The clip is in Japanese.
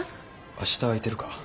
明日空いてるか？